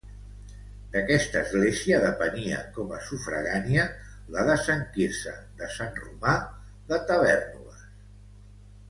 D'aquesta església depenia com a sufragània la de Sant Quirze de Sant Romà de Tavèrnoles.